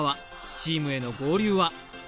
チームへの合流は？